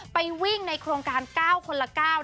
ไปวิ่งในโครงการ๙คนละ๙